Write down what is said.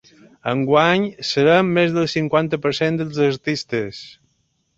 Enguany, seran més del cinquanta per cent dels artistes.